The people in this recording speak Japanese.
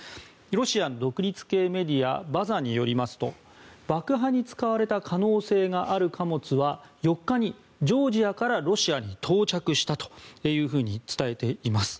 ロシア独立系メディアバザによりますと、爆破に使われた可能性がある貨物は４日にジョージアからロシアに到着したと伝えています。